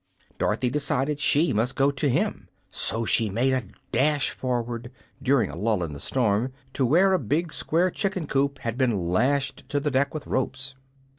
Dorothy decided she must go to him; so she made a dash forward, during a lull in the storm, to where a big square chicken coop had been lashed to the deck with ropes.